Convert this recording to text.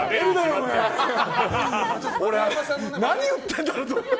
何言ってるんだろうと思って。